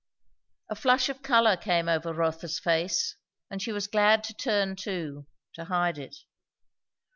A flush of colour came over Rotha's face, and she was glad to turn too; to hide it.